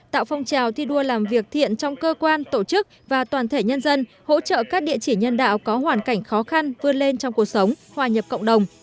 tạo phong trào thi đua làm việc thiện trong cơ quan tổ chức và toàn thể nhân dân hỗ trợ các địa chỉ nhân đạo có hoàn cảnh khó khăn vươn lên trong cuộc sống hòa nhập cộng đồng